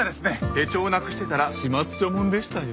手帳をなくしてたら始末書もんでしたよ。